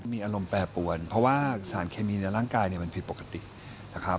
มีอารมณ์แปรปวนเพราะว่าสารเคมีในร่างกายเนี่ยมันผิดปกตินะครับ